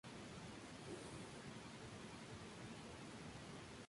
Además no se pudo determinar dónde era enviada la carne procesada en el pueblo.